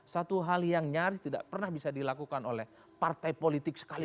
satu hal yang nyaris tidak pernah bisa dilakukan oleh partai politik sekali